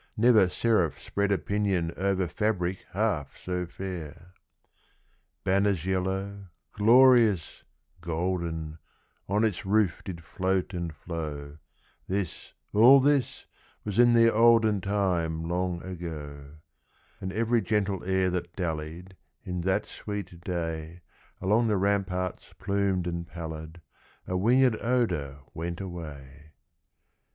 Never seraph spread a pinion Over fabric half so fair! Banners yellow, glorious, golden, On its roof did float and flow, (This all this was in the olden Time long ago), And every gentle air that dallied, In that sweet day, Along the ramparts plumed and pallid, A winged odor went away.